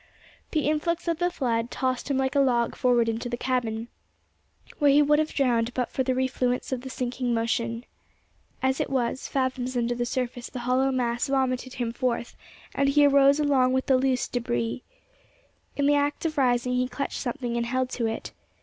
The influx of the flood tossed him like a log forward into the cabin, where he would have drowned but for the refluence of the sinking motion. As it was, fathoms under the surface the hollow mass vomited him forth, and he arose along with the loosed debris. In the act of rising, he clutched something, and held to it.